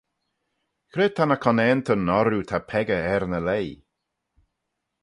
Cre ta ny conaantyn orroo ta peccah er ny leih?